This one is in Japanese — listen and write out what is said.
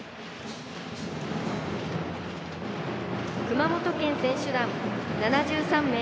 熊本県選手団、７３名。